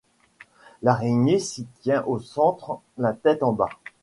L'araignée s'y tient au centre, la tête en bas.